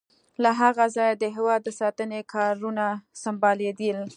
له هغه ځایه د هېواد د ساتنې کارونه سمبالیدل.